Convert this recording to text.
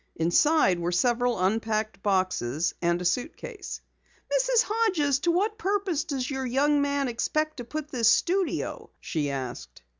Inside were several unpacked boxes and a suitcase. "Mrs. Hodges, to what purpose does your young man expect to put this studio?" she asked.